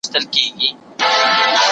په شپه کې ځینې وحشي حیوانات راوځي.